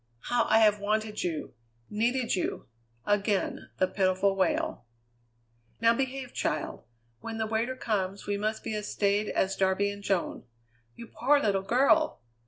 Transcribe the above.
"How I have wanted you! needed you!" Again the pitiful wail. "Now behave, child! When the waiter comes we must be as staid as Darby and Joan. You poor little girl!